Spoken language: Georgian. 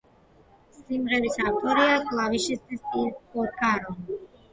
სიმღერის ავტორია კლავიშისტი სტივ პორკარო.